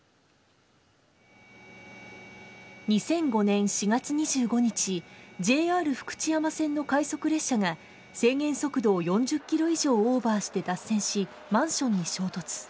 ２００５年４月２５日、ＪＲ福知山線の快速列車が、制限速度を４０キロ以上オーバーして脱線し、マンションに衝突。